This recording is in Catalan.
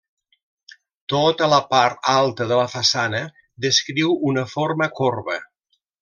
Tota la part alta de la façana descriu una forma corba.